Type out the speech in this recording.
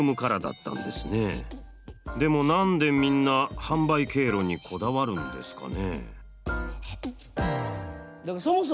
でも何でみんな販売経路にこだわるんですかね？